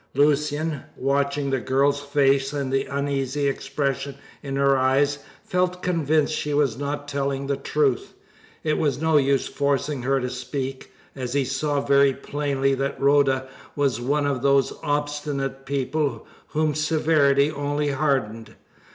Lucian, watching the girl's face, and the uneasy expression in her eyes, felt convinced she was not telling the truth. It was no use forcing her to speak, as he saw very plainly that Rhoda was one of those obstinate people whom severity only hardened.